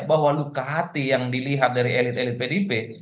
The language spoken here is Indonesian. bahwa luka hati yang dilihat dari elit elit pdip